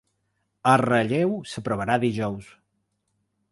El relleu s’aprovarà dijous.